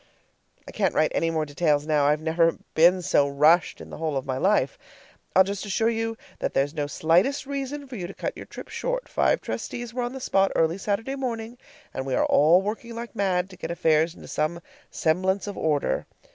I can't write any more details now; I've never been so rushed in the whole of my life. I'll just assure you that there's no slightest reason for you to cut your trip short. Five trustees were on the spot early Saturday morning, and we are all working like mad to get affairs into some semblance of order.